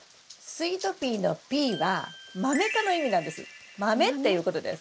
スイートピーの「ピー」はマメ科の意味なんです。